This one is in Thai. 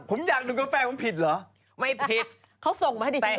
ผมอยากดูกาแฟคือผิดเหรอไม่ผิด